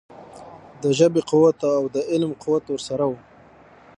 د ژبې قوت او د علم قوت ورسره وو.